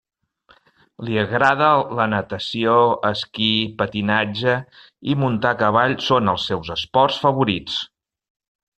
Li agrada la natació, esquí, patinatge i muntar a cavall són els seus esports favorits.